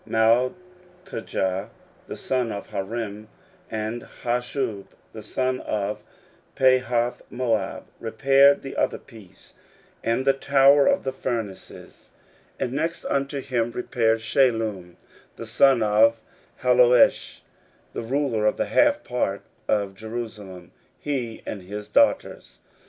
16:003:011 Malchijah the son of Harim, and Hashub the son of Pahathmoab, repaired the other piece, and the tower of the furnaces. 16:003:012 And next unto him repaired Shallum the son of Halohesh, the ruler of the half part of Jerusalem, he and his daughters.